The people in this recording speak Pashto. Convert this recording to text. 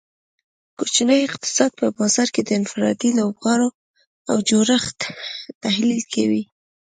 کوچنی اقتصاد په بازار کې د انفرادي لوبغاړو او جوړښت تحلیل کوي